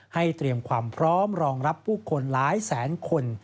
เตรียมความพร้อมรองรับผู้คนหลายแสนคน